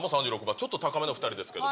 ちょっと高めの２人ですけれども。